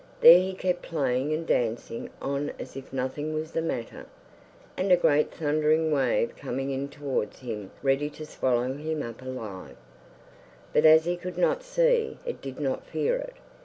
There he kept playing and dancing on as if nothing was the matter, and a great thundering wave coming in towards him ready to swallow him up alive; but as he could not see it, he did not fear it.